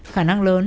khả năng lớn